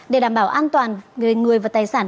để đảm bảo an toàn về người và tài sản